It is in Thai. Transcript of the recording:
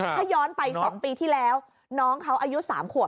ถ้าย้อนไป๒ปีที่แล้วน้องเขาอายุ๓ขวบ